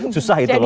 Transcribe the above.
susah itu loh